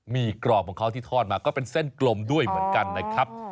มีกรอบของเขาที่ทอดมาก็เป็นเส้นกลมด้วยเหมือนกันนะครับ